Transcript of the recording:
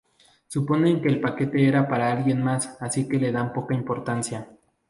Suponen que el paquete era para alguien más así que le dan poca importancia.